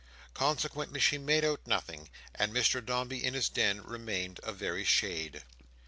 Consequently she made out nothing, and Mr Dombey in his den remained a very shade.